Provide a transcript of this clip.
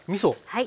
はい。